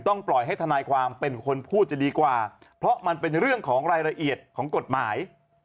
ปล่อยให้ทนายความเป็นคนพูดจะดีกว่าเพราะมันเป็นเรื่องของรายละเอียดของกฎหมาย